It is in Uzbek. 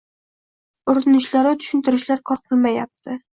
Urinishlaru tushuntirishlar kor qilmayapti.